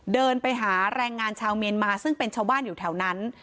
เดินไปหาแรงงานชาวเมียนมาซึ่งเป็นชาวบ้านอยู่แถวนั้น